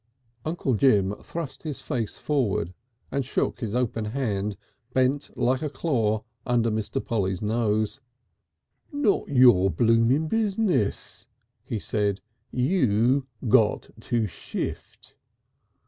Uncle Jim thrust his face forward and shook his open hand, bent like a claw, under Mr. Polly's nose. "Not your blooming business," he said. "You got to shift."